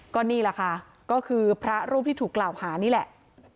ก็นี่แหละค่ะก็คือพระรูปที่ถูกกล่าวหานี่แหละ